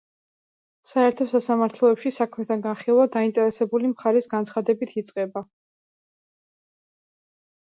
საერთო სასამართლოებში საქმეთა განხილვა დაინტერესებული მხარის განცხადებით იწყება.